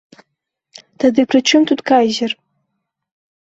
Тады пры чым тут кайзер?